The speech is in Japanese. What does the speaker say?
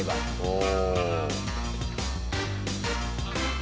お。